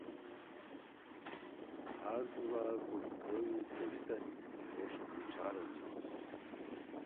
ہردُورار پروشٹ دویوتورتانی ایغو سُم دوچھار ہونی